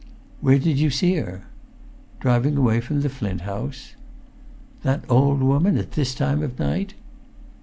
"Where did you see her?" "Driving away from the Flint House." "That old woman at this time of night?"